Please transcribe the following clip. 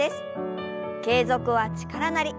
「継続は力なり」。